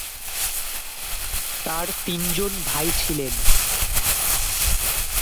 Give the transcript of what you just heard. তার তিনজন ভাই ছিলেন।